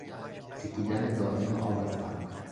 چکیدن دایم آب از سقف